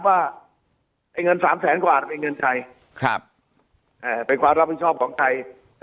ว่าเงิน๓๐๐๐๐๐กว่าเป็นเงินไทยเป็นความรับผู้ชอบของไทย